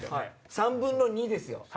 ３分の２ですよ。